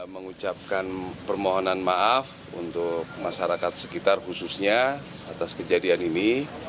mengucapkan permohonan maaf untuk masyarakat sekitar khususnya atas kejadian ini